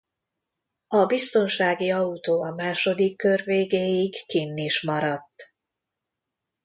A biztonsági autó a második kör végéig kinn is maradt.